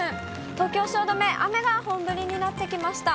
東京・汐留、雨が本降りになってきました。